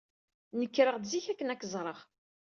Nekreɣ-d zik akken ad k-ẓreɣ.